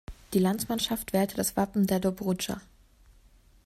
Die Landsmannschaft wählte das Wappen der Dobrudscha.